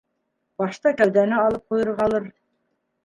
Башта кәүҙәне алып ҡуйырғалыр.